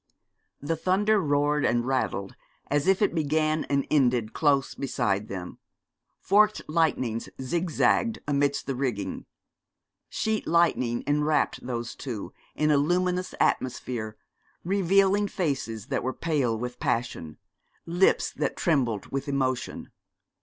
The thunder roared and rattled, as if it began and ended close beside them. Forked lightnings zigzagged amidst the rigging. Sheet lightning enwrapped those two in a luminous atmosphere, revealing faces that were pale with passion, lips that trembled with emotion.